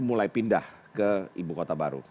mulai pindah ke ibu kota baru